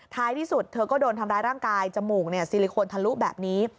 ท้ายที่สุดเธอก็โดนทำร้ายร่างกายจมูกซิลิโคนทะลุแบบนี้